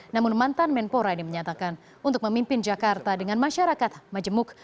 namun mantan menpora ini menyatakan untuk memimpin jakarta dengan masyarakat majemuk